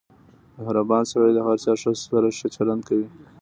• مهربان سړی د هر چا سره ښه چلند کوي.